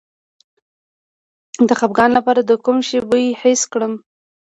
د خپګان لپاره د کوم شي بوی حس کړم؟